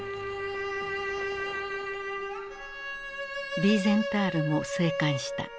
ヴィーゼンタールも生還した。